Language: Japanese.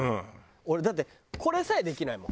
俺だってこれさえできないもん。